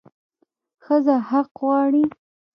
ښځه حق غواړي